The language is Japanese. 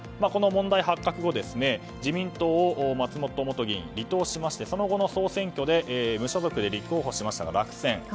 この問題発覚後自民党を松本元議員は離党しましてその後の総選挙で無所属で立候補しましたが落選。